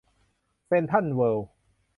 เซ็นทรัลเวิร์ล